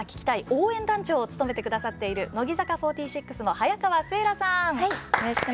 応援団長を務めてくださっている乃木坂４６の早川聖来さん。